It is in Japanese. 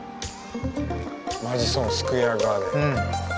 マディソン・スクエア・ガーデン。